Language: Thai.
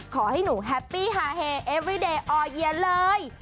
ขอให้หนูแฮปปี้ฮาเฮเอริเดย์ออร์เยียเลย